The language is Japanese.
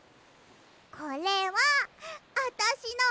これはあたしのおうち。